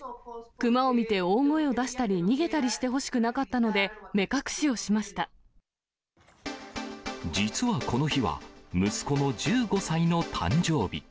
熊を見て大声を出したり逃げたりしてほしくなかったので、目隠し実はこの日は、息子の１５歳の誕生日。